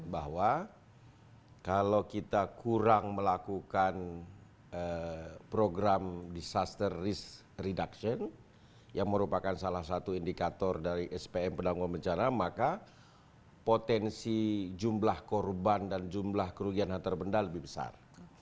bahwa kalau kita kurang melakukan program disaster risk reduction yang merupakan salah satu indikator dari spm penanggung bencana maka potensi jumlah korban dan jumlah kerugian hantar benda lebih besar